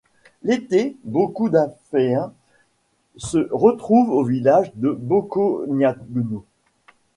L'été, beaucoup d'Afaiens se retrouvent au village de Bocognano.